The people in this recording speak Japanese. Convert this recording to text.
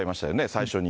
最初に。